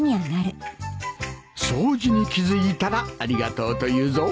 掃除に気付いたらありがとうと言うぞ